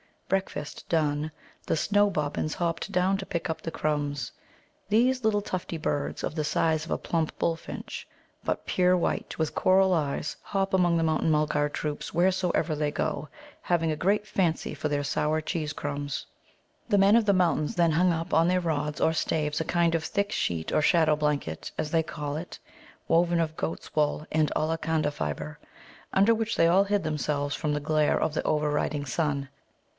Breakfast done, the snow bobbins hopped down to pick up the crumbs. These little tufty birds, of the size of a plump bull finch, but pure white, with coral eyes, hop among the Mountain mulgar troops wheresoever they go, having a great fancy for their sour cheese crumbs. The Men of the Mountains then hung up on their rods or staves a kind of thick sheet or shadow blanket, as they call it, woven of goats' wool and Ollaconda fibre, under which they all hid themselves from the glare of the over riding sun.